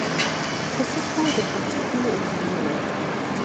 په سکو د پاچاهانو انځورونه وو